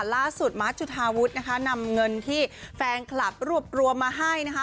ล่าสุดมาร์ทจุธาวุฒินะคะนำเงินที่แฟนคลับรวบรวมมาให้นะคะ